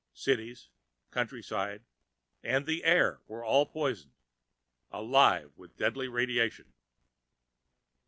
Cities, countryside, and air were alike poisoned, alive with deadly radiation.